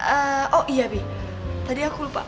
eee oh iya pih tadi aku lupa